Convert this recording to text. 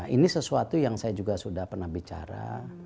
ini sesuatu yang saya juga sudah pernah bicara